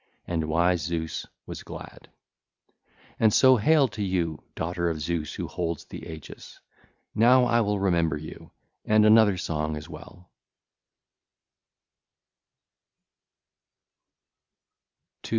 And wise Zeus was glad. (ll. 17 18) And so hail to you, daughter of Zeus who holds the aegis! Now I will remember you and another song as well.